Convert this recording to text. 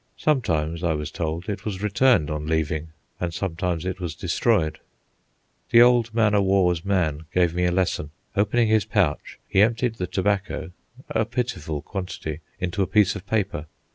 Sometimes, I was told, it was returned on leaving and sometimes it was destroyed. The old man of war's man gave me a lesson. Opening his pouch, he emptied the tobacco (a pitiful quantity) into a piece of paper.